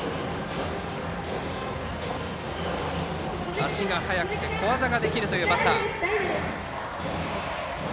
足が速くて小技ができるというバッター。